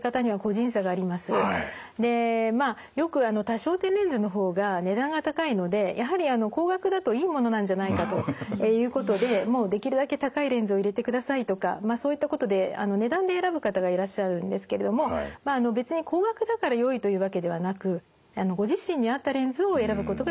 でまあよく多焦点レンズの方が値段が高いのでやはり高額だといいものなんじゃないかということでもうできるだけ高いレンズを入れてくださいとかまあそういったことで値段で選ぶ方がいらっしゃるんですけれどもまあ別に高額だからよいというわけではなくご自身に合ったレンズを選ぶことが一番大切です。